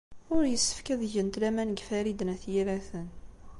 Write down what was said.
Ur yessefk ad gent laman deg Farid n At Yiraten.